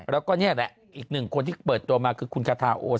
แล้วก็นี่แหละอีกหนึ่งคนที่เปิดตัวมาคือคุณคาทาโอส